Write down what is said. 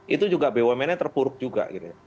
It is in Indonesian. itu juga bumn nya terpuruk juga